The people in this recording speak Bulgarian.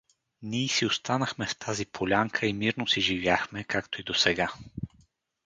Ний си останахме в тази полянка и мирно си живяхме, както и досега.